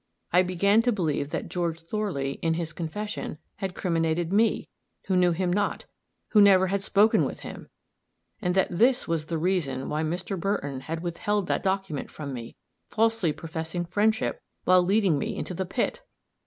I began to believe that George Thorley, in his confession, had criminated me who knew him not who never had spoken with him and that this was the reason why Mr. Burton had withheld that document from me falsely professing friendship, while leading me into the pit!